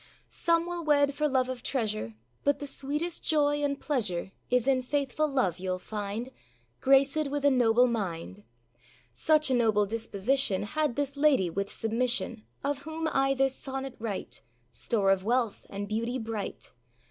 Some will wed for love of treasure; But the sweetest joy and pleasure Is in faithful love, youâll find, Gracèd with a noble mind. Such a noble disposition Had this lady, with submission, Of whom I this sonnet write, Store of wealth, and beauty bright.